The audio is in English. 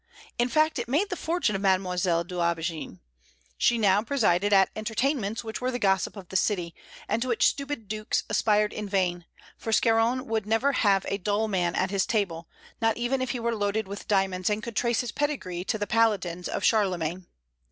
In fact, it made the fortune of Mademoiselle d'Aubigné. She now presided at entertainments which were the gossip of the city, and to which stupid dukes aspired in vain; for Scarron would never have a dull man at his table, not even if he were loaded with diamonds and could trace his pedigree to the paladins of Charlemagne.